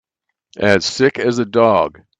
As sick as a dog.